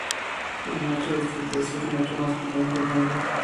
El macho de esta especie es mucho más pequeño que la hembra.